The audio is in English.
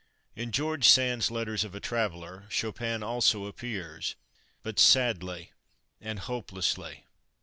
In George Sand's Letters of a Traveller Chopin also appears, but sadly and hopelessly.